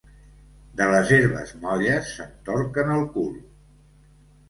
De les herbes molles, se'n torquen el cul.